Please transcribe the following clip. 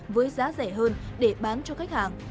với giá rẻ hơn để bán cho khách hàng